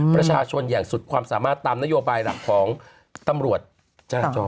ประชาชนอย่างสุดความสามารถตามนโยบายหลักของตำรวจจราจร